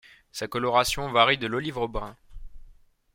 Sa coloration varie de l'olive au brun.